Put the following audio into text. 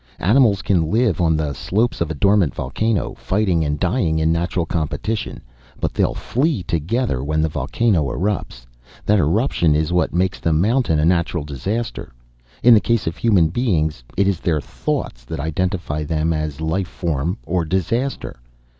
Animals can live on the slopes of a dormant volcano, fighting and dying in natural competition. But they'll flee together when the volcano erupts. That eruption is what makes the mountain a natural disaster. In the case of human beings, it is their thoughts that identify them as life form or disaster.